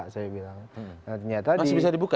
masih bisa dibuka